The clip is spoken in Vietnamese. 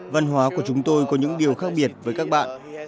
văn hóa của chúng tôi có những điều khác biệt với các bạn